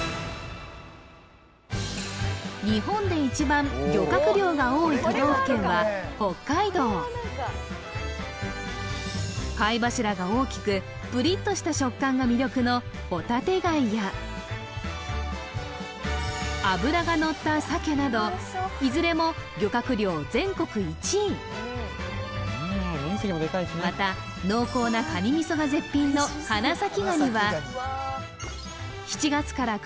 日本で一番漁獲量が多い都道府県は北海道貝柱が大きくプリッとした食感が魅力のホタテ貝や脂がのった鮭などいずれも漁獲量全国１位また濃厚なカニ味噌が絶品の花咲